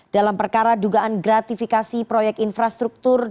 dalam perkara dugaan gratifikasi proyek infrastruktur